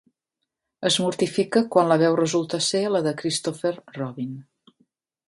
Es mortifica quan la veu resulta ser la de Christopher Robin.